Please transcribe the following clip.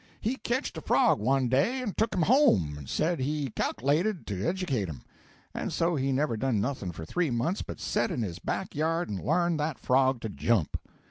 He ketched a frog one day, and took him home, and said he cal'lated to educate him; and so he never done nothing for three months but set in his back yard and learn that frog to jump.